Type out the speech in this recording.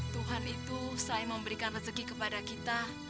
tuhan itu saya memberikan rezeki kepada kita